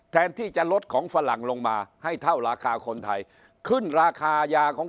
แทนที่จะลดของฝรั่งลงมาให้เท่าราคาคนไทยขึ้นราคายาของ